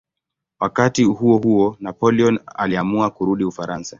Wakati huohuo Napoleon aliamua kurudi Ufaransa.